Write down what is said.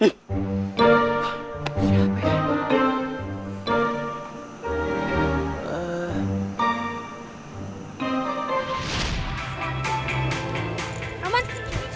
ih ayo dong adik